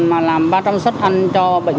các bác sĩ đã góp sức